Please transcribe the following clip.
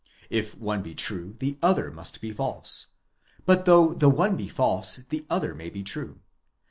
If one be true the other must be false, but though the one be false the other may be true.